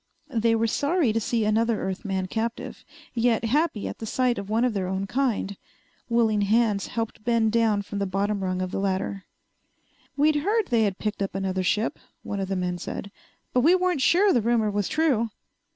They were sorry to see another Earth man captive, yet happy at sight of one of their own kind. Willing hands helped Ben down from the bottom rung of the ladder. "We'd heard they had picked up another ship," one of the men said. "But we weren't sure the rumor was true."